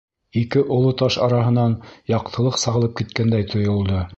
Ике оло таш араһынан яҡтылыҡ сағылып киткәндәй тойолдо.